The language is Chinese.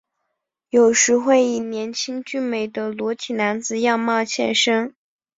有时会以年轻俊美的裸体男子样貌现身。